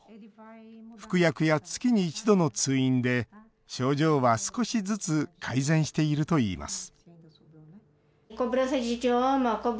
服薬や月に一度の通院で症状は、少しずつ改善しているといいます